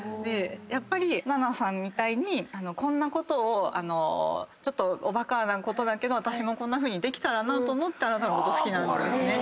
やっぱり奈々さんみたいにこんなことをちょっとおバカなことだけど私もこんなふうにできたらと思ってあなたのこと好きなんですね。